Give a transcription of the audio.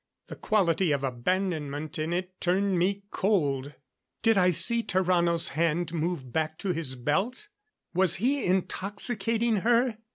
The quality of abandonment in it turned me cold. Did I see Tarrano's hand move back to his belt? Was he intoxicating her?